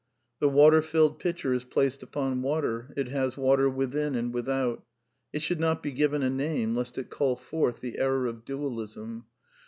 (xLV.) "The water filled pitcher is placed upon water, it has water within and without. ^ y It should not he given a name, lest it call forth the error of \y dualism/* (xlvi.)